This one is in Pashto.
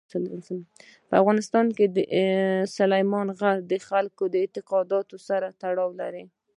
په افغانستان کې سلیمان غر د خلکو د اعتقاداتو سره تړاو لري.